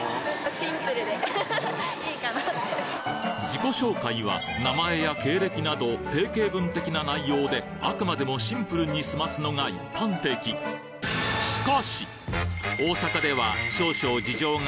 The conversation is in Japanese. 自己紹介は名前や経歴など定型文的な内容であくまでもシンプルに済ますのが一般的えっ！